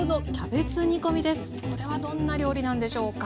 これはどんな料理なんでしょうか？